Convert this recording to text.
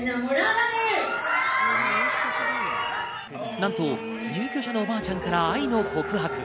なんと入居者のおばあちゃんから愛の告白。